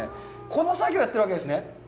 この作業をやってるわけですね。